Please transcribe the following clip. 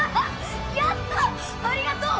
やったありがとう